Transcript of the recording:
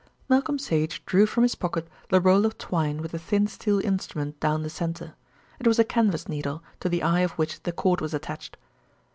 Malcolm Sage drew from his pocket the roll of twine with the thin steel instrument down the centre. It was a canvas needle, to the eye of which the cord was attached.